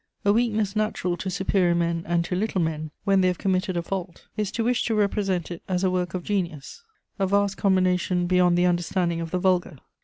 A weakness natural to superior men and to little men, when they have committed a fault, is to wish to represent it as a work of genius, a vast combination beyond the understanding of the vulgar.